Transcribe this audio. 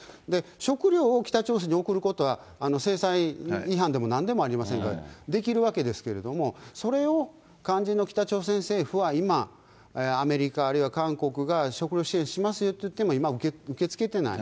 食糧を北朝鮮に送ることは、制裁違反でもなんでもありませんから、できるわけですけれども、それを肝心の北朝鮮政府は、今、アメリカあるいは韓国が食糧支援しますよって言っても、今、受け付けてない。